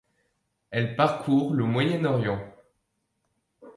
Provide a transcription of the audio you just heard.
Elle parcourt le Moyen-Orient.